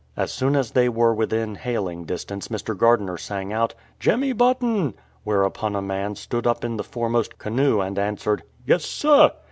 As soon as they were within hailing distance Mr, Gardiner sang out, " Jemmy Button," whereupon a man stood up in the fore most canoe and answered, " Yes, sir."